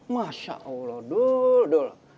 masya allah dul dul